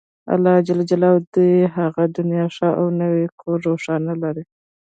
الله ﷻ دې يې هغه دنيا ښه او نوی کور روښانه لري